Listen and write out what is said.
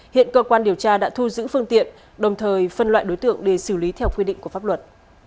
hiện cơ quan điều tra đã thu giữ phương tiện đồng thời phân loại đối tượng để xử lý theo quy định của pháp luật